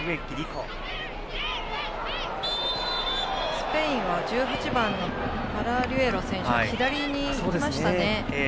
スペインは１８番のパラリュエロ選手が左に行きましたね。